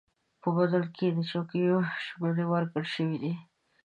په بدل کې یې د چوکیو ژمنې ورکړل شوې دي.